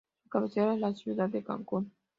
Su cabecera es la ciudad de Cancún.